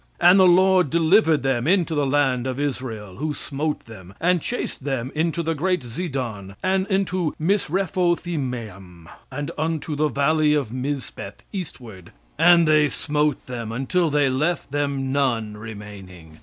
"And the lord delivered them into the hand of Israel, who smote them, and chased them unto great Zidon, and unto Misrephothimaim, and unto the valley of Mizpeh eastward; and they smote them, until they left them none remaining.